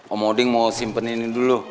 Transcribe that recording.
omoding mau simpen ini dulu